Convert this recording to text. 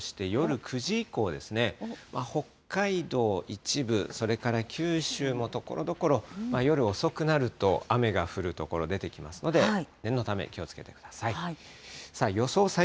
一部、それから九州もところどころ、夜遅くなると雨が降る所、出てきますので、念のため、気をつけてください。